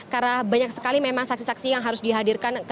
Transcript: karena banyak sekali memang saksi saksi yang harus dihadirkan